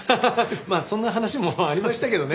まあそんな話もありましたけどね。